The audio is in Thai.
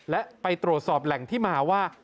และไปตรวจสอบแหล่งที่มาว่า